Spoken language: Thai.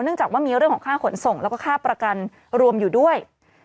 จากว่ามีเรื่องของค่าขนส่งแล้วก็ค่าประกันรวมอยู่ด้วย